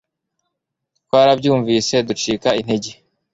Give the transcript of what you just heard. twarabyumvise ducika intege